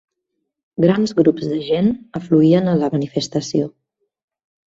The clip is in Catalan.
Grans grups de gent afluïen a la manifestació.